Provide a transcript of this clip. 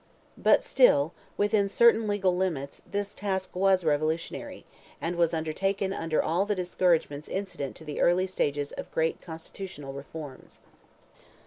But still, within certain legal limits, his task was revolutionary, and was undertaken under all the discouragements incident to the early stages of great constitutional reforms.